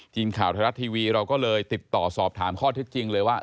ทีมข่าวไทยรัฐทีวีเราก็เลยติดต่อสอบถามข้อเท็จจริงเลยว่า